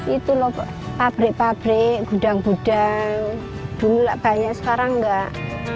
itu loh pabrik pabrik gudang gudang dulu lah banyak sekarang enggak